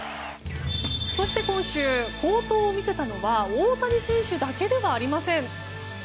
そして今週、好投を見せたのは大谷選手だけではありません。